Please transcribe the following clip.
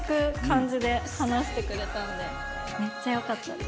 めっちゃよかったです。